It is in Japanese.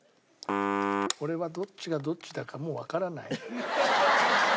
俺はどっちがどっちだかもうわからない。